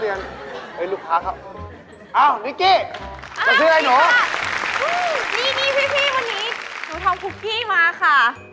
นี่พี่วันนี้หนูทำคุกกี้มาค่ะ